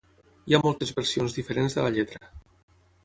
Hi ha moltes versions diferents de la lletra.